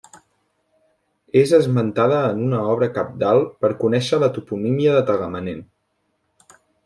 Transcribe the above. És esmentada en una obra cabdal per conèixer la toponímia de Tagamanent.